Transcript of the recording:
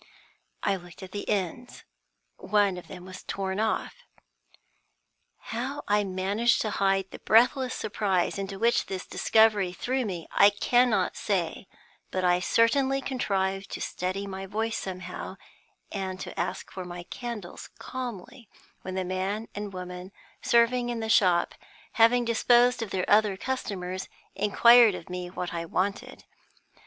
I looked at the ends: one of them was torn off. How I managed to hide the breathless surprise into which this discovery threw me I cannot say, but I certainly contrived to steady my voice somehow, and to ask for my candles calmly when the man and woman serving in the shop, having disposed of their other customers, inquired of me what I wanted.